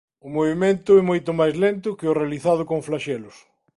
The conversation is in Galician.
O movemento é moito máis lento que o realizado con flaxelos.